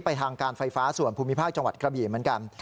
ทางการไฟฟ้าส่วนภูมิภาคจังหวัดกระบี่เหมือนกัน